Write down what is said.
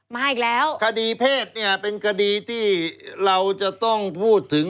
มาอีกแล้วคดีเพศเนี่ยเป็นคดีที่เราจะต้องพูดถึง